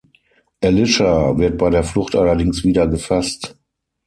Alicia wird bei der Flucht allerdings wieder gefasst.